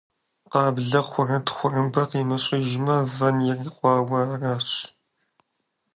Къабзэ хъурэ тхъурымбэ къимыщӀыжмэ, вэн ирикъуауэ аращ.